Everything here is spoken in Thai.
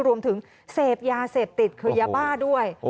รวมถึงเสพยาเสพติดคือยาบ้าด้วย